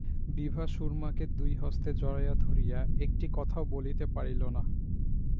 বিভা সুরমাকে দুই হস্তে জড়াইয়া ধরিয়া একটি কথাও বলিতে পারিল না।